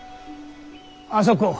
あそこを。